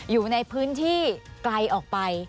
อยู่ในพื้นที่ไกลออกไป